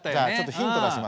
ヒント。